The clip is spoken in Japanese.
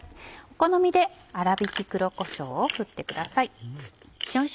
お好みで粗挽き黒こしょうを振ってください。